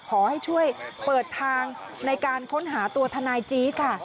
ขอให้ช่วยเปิดทางในการค้นหาตัวทนายจี๊ดค่ะ